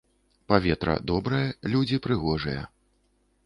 Паветра добрае, людзі прыгожыя.